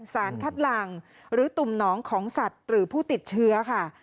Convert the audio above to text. สารคัดหลังหรือตุ่มหนองของสัตว์หรือผู้ติดเชื้อค่ะ